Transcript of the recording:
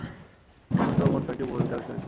এখনও পর্যন্ত মোট ছয়টি উপ-প্রজাতি আবিষ্কৃত হয়েছে।